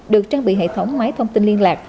được trang bị hệ thống máy thông tin liên lạc